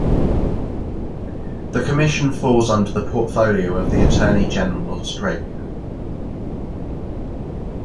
The Commission falls under the portfolio of the Attorney-General of Australia.